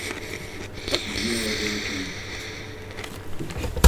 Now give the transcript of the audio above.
بيې وه غوېکِن:ـ